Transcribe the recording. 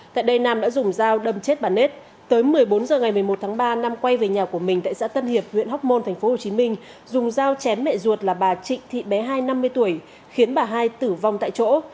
tại đây nam đã dùng dao đâm chết bà nết tới một mươi bốn h ngày một mươi một tháng ba nam quay về nhà của mình tại xã tân hiệp huyện hóc môn tp hcm dùng dao chém mẹ ruột là bà trịnh thị bé hai năm mươi tuổi khiến bà hai tử vong tại chỗ